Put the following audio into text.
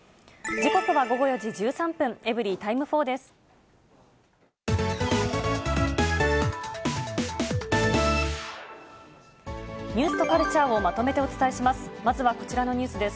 時刻は午後４時１３分、エブリィタイム４です。